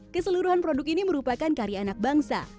keseluruhan produk ini merupakan karya anak bangsa